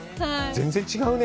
全然違うね。